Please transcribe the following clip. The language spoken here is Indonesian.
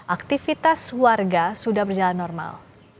aktivitas warga sudah berjalan normal